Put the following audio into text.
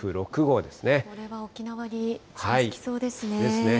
これは沖縄に近づきそうですですね。